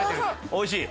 おいしい？